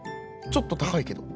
ちょっとたかいけど？」。